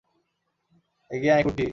এগিয়ে আয়, কুট্টি।